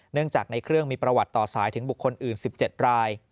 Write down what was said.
เนื่องจากในเครื่องมีประวัติต่อสายถึงบุคคลอื่น๑๗ราย